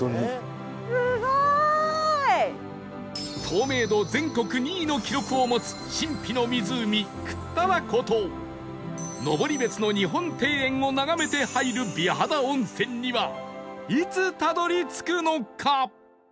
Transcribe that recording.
透明度全国２位の記録を持つ神秘の湖倶多楽湖と登別の日本庭園を眺めて入る美肌温泉にはいつたどり着くのか？